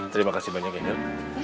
terima kasih banyak angel